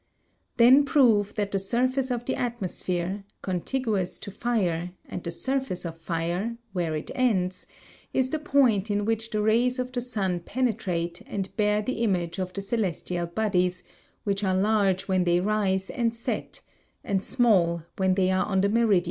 Then prove that the surface of the atmosphere, contiguous to fire and the surface of fire, where it ends, is the point in which the rays of the sun penetrate and bear the image of the celestial bodies which are large when they rise and set, and small when they are on the meridian.